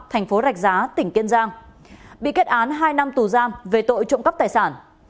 thành phố rạch giá tỉnh kiên giang bị kết án hai năm tù giam về tội trộm cắp tài sản